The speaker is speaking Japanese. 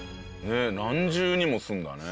何重にもするんだね。